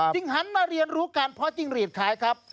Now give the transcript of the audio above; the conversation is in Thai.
หันมาเรียนรู้การเพาะจิ้งหลีดขายครับ